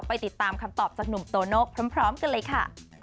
ไปติดตามคำตอบจากหนุ่มโตโน่พร้อมกันเลยค่ะ